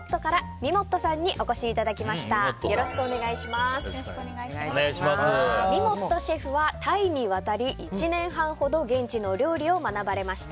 みもっとシェフはタイに渡り１年半ほど現地の料理を学ばれました。